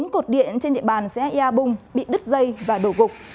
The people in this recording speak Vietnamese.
bốn cột điện trên địa bàn xã ea bung bị đứt dây và đổ gục